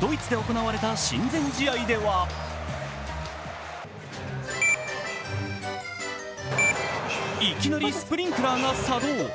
ドイツで行われた親善試合ではいきなりスプリンクラーが作動。